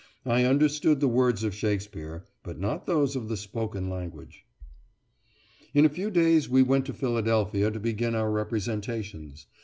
I understood the words of Shakespeare, but not those of the spoken language. In a few days we went to Philadelphia to begin our representations.